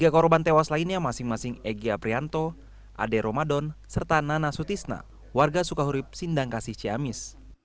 tiga korban tewas lainnya masing masing egy aprianto ade romadon serta nana sutisna warga sukahurip sindang kasih ciamis